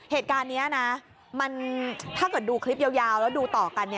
เหตุการณ์นี้นะถ้าเกิดดูคลิปยาวแล้วดูต่อกัน